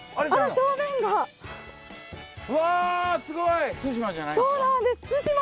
すごい！